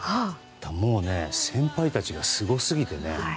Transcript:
もうね、先輩たちがすごすぎてね